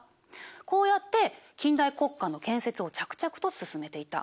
こうやって近代国家の建設を着々と進めていた。